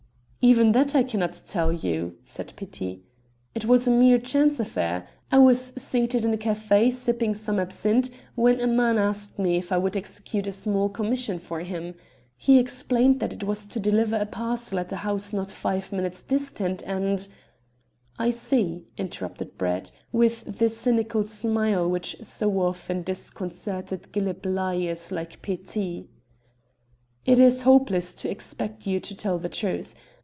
"Even that I cannot tell you," said Petit. "It was a mere chance affair. I was seated in a café sipping some absinthe when a man asked me if I would execute a small commission for him. He explained that it was to deliver a parcel at a house not five minutes distant, and " "I see," interrupted Brett, with the cynical smile which so often disconcerted glib liars like Petit. "It is hopeless to expect you to tell the truth.